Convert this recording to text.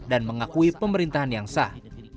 dan mengakui pemerintahan yang sah